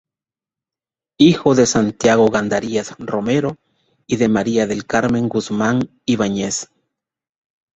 Hijo de Santiago Gandarillas Romero y de María del Carmen Guzmán Ibáñez.